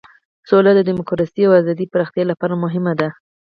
سوله د دموکراسۍ او ازادۍ پراختیا لپاره مهمه ده.